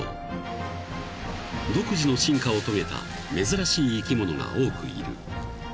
［独自の進化を遂げた珍しい生き物が多くいる］